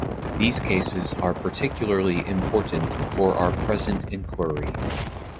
These cases are particularly important for our present inquiry.